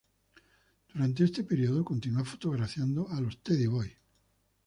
Durante este período continúa fotografiando a los "Teddy Boys".